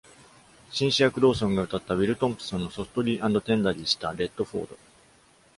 シンシア・クローソンが歌ったウィル・トンプソンの「Softly and Tenderly」したレッドフォード。